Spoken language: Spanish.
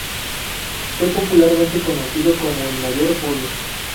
Fue popularmente conocido como el Mayor Polo.